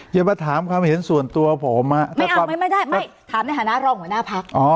อย่ามาถามความเห็นส่วนตัวผมไม่ได้ไม่ถามในฐานะรองหัวหน้าพัก